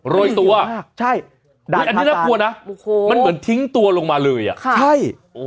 โรยตัวใช่อันนี้น่ากลัวนะมันเหมือนทิ้งตัวลงมาเลยอ่ะใช่